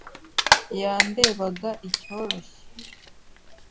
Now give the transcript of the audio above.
Yandebaga icyoroshye.